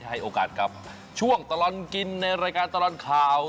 ให้โอกาสกับช่วงตลอดกินในรายการตลอดข่าว